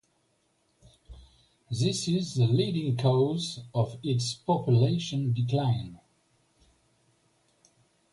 This is the leading cause of its population decline.